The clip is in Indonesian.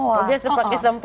oh iya pakai sempoh